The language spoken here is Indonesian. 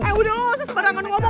eh udah saya sebentar akan ngomong deh